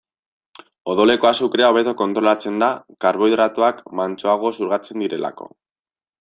Odoleko azukrea hobeto kontrolatzen da, karbohidratoak mantsoago xurgatzen direlako.